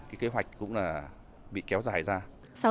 cái kế hoạch cũng là bị kéo dài ra